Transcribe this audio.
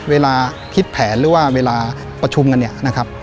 เวลาคิดแผนหรือว่าเวลาประชุมกันเนี่ยนะครับ